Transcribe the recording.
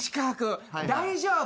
大丈夫？